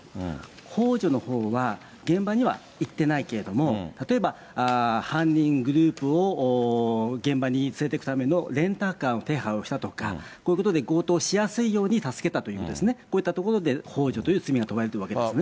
ほう助のほうは、現場には行ってないけれども、例えば犯人グループを現場に連れてくためのレンタカーの手配をしたとか、こういうことで強盗しやすいように助けたという、こういったところでほう助という罪が問われているわけですね。